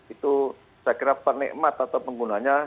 itu saya kira penikmat atau penggunanya